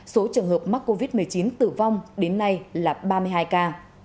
số trường hợp mắc covid một mươi chín tử vong đến nay là ba mươi hai ca